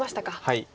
はい。